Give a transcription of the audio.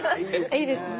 いいですね。